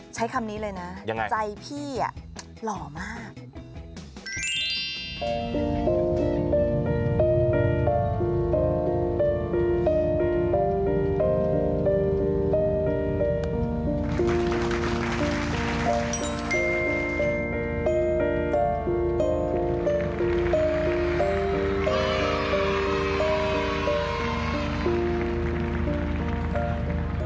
ใช้คำนี้เลยนะใจพี่อ่ะหล่อมากยังไง